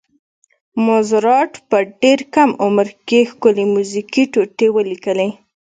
موزارټ په ډېر کم عمر کې ښکلې میوزیکي ټوټې ولیکلې.